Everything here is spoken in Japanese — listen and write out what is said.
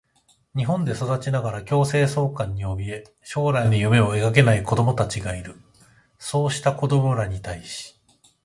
日本で育ちながら強制送還におびえ、将来の夢を描けない子どもたちがいる。そうした子どもらに対し、